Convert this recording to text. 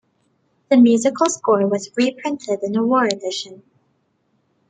The musical score was reprinted in a war edition.